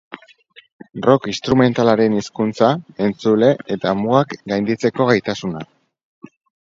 Rock instrumentalaren hizkuntza, entzule eta mugak gainditzeko gaitasuna.